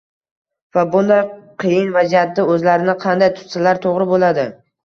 va bunday qiyin vaziyatda o‘zlarini qanday tutsalar to‘g‘ri bo‘ladi?